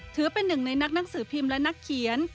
ถือเป็นหนึ่งในนักหนังสือพิมพ์และนักเขียน